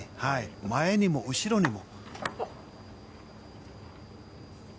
前にも後ろにも。